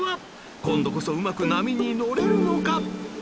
［今度こそうまく波に乗れるのか？］